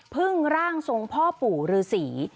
พึ่งร่างทรงพ่อปู่ฤษี